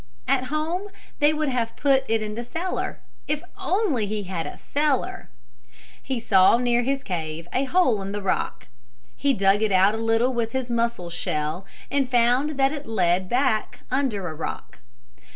At home they would have put it in the cellar. If only he had a cellar! He saw near his cave a hole in the rock. He dug it out a little with his mussel shell and found that it led back under a rock.